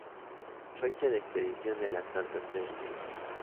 Fecha de expedición de las cartas credenciales.